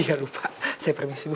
iya lupa saya permisi bu